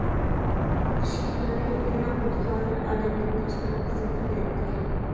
قىش كۈنلىرى ئىلىنىڭ بۇتخانىلىرى ئادەتتىن تاشقىرى قىزىپ كېتەتتى.